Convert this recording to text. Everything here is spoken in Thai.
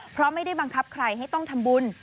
เพราะไม่ได้บังคับใครให้ต้องทำบุญ